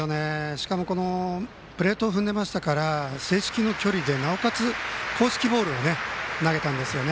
しかもプレートを踏んでいましたから正式の距離で、なおかつ公式ボールを投げたんですね。